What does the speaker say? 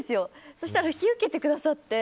そしたら引き受けてくださって。